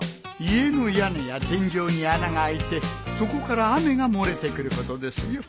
家の屋根や天井に穴があいてそこから雨が漏れてくることですよ。